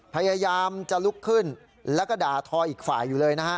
พยายามจะลุกขึ้นแล้วก็ด่าทออีกฝ่ายอยู่เลยนะฮะ